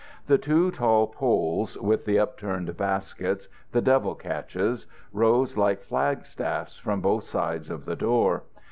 The two tall poles, with the upturned baskets, the devil catches, rose like flagstaffs from both sides of the door.